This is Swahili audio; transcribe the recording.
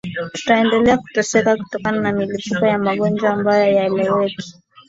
Tutaendelea kuteseka kutokana na milipuko ya magonjwa ambayo hayaeleweki